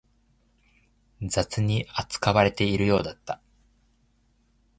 雑に扱われているようだった